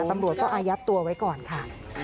ตำรวจก็อายัดตัวไว้ก่อนค่ะ